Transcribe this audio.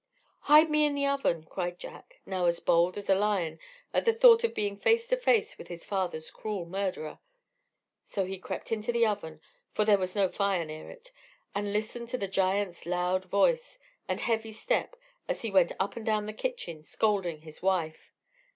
"Hide me in the oven," cried Jack, now as bold as a lion at the thought of being face to face with his father's cruel murderer. So he crept into the oven for there was no fire near it and listened to the giant's loud voice and heavy step as he went up and down the kitchen scolding his wife.